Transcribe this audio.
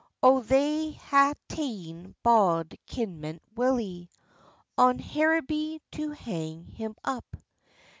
How they hae taen bauld Kinmont Willie, On Hairibee to hang him up?